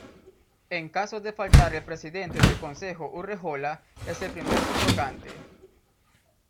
En caso de faltar el Presidente del Consejo Urrejola es el primer subrogante.